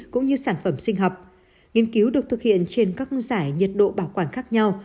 cũng như sản phẩm sinh học nghiên cứu được thực hiện trên các giải nhiệt độ bảo quản khác nhau